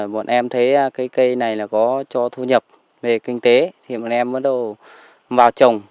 bọn em thấy cây này là có cho thu nhập về kinh tế thì bọn em bắt đầu vào trồng